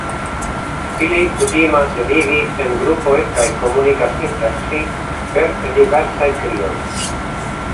Ili kutimas vivi en grupoj kaj komunikas inter si per diversaj krioj.